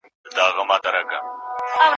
تا خو جهاني د سباوون په تمه ستړي کړو